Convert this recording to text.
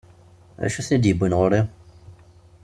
D acu i ten-id-iwwin ɣur-i?